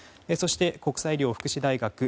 そして国際医療福祉大学